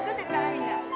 みんな。